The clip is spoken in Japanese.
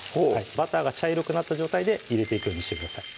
バターが茶色くなった状態で入れていくようにしてください